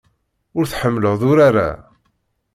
Ur tḥemmleḍ urar-a.